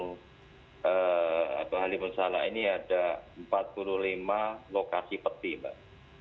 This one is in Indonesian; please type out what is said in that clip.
bagaimanapun salah ini ada empat puluh lima lokasi peti pak